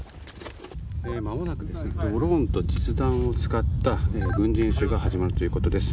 まもなくドローンと実弾を使った軍事演習が始まるということです。